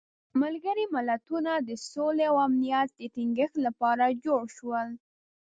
ملګري ملتونه د سولې او امنیت د تینګښت لپاره جوړ شول.